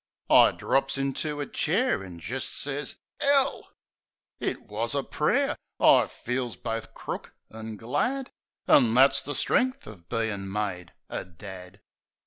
I drops into a chair, an' jist sez —" 'Ell !" It was a pray'r. I feels bofe crook an' glad. ... An' that's the strength of bein' made a dad.